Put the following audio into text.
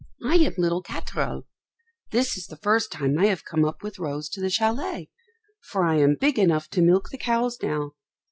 "I am little Katherl. This is the first time I have come up with Rose to the châlet, for I am big enough to milk the cows now.